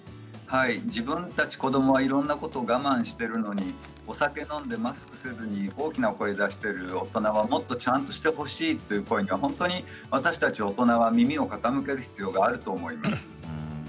自分たち子どもはいろんなこと我慢しているのにお酒飲んでマスクせずに大きな声を出している大人もっとちゃんとしてほしいという声には本当に私たち大人は耳を傾ける必要があると思います。